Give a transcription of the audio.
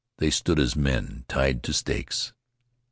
They stood as men tied to stakes.